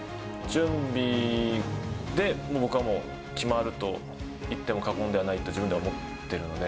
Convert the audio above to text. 準備で僕はもう決まると言っても過言ではないと自分では思ってるので。